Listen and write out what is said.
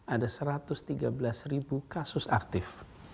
ada satu ratus tiga belas ribu kasus aktif